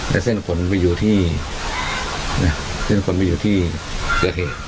และเส้นผลไปอยู่ที่เกือบเหตุ